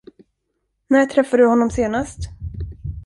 När träffade du honom senast?